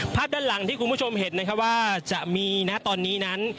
ด้านหลังที่คุณผู้ชมเห็นนะครับว่าจะมีนะตอนนี้นั้น